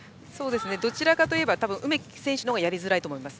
どちらかといえば梅木選手の方がやりづらいと思います。